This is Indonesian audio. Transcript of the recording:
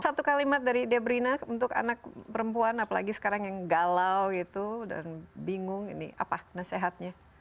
satu kalimat dari debrina untuk anak perempuan apalagi sekarang yang galau gitu dan bingung ini apa nasehatnya